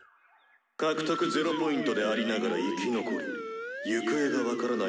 「獲得０Ｐでありながら生き残り行方が分からない